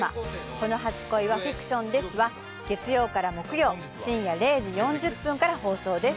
「この初恋はフィクションです」は月曜から木曜深夜０時４０分から放送です